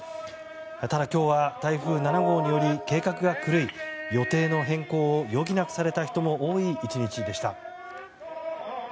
ただ、今日は台風７号により計画が狂い予定の変更を余儀なくされた人も多い１日でした。